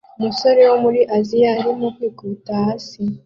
Umusore wo muri Aziya arimo kwikubita hasi